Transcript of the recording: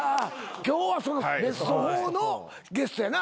今日はそのベスト４のゲストやな。